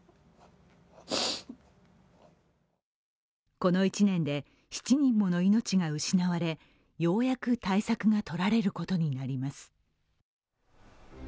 この１年で７人もの命が失われようやく、対策が取られることになります。